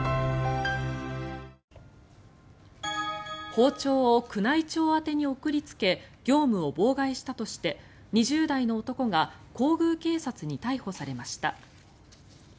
包丁を宮内庁宛てに送りつけ業務を妨害したとして２０代の男が皇宮警察に逮捕されました。